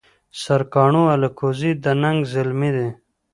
سرکاڼو الکوزي د ننګ زلمي دي